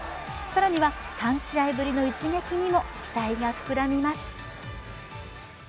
更には３試合ぶりの一撃にも期待が膨らみます。